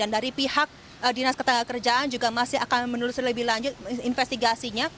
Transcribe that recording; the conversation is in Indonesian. dinas ketenagakerjaan juga masih akan menerus lebih lanjut investigasinya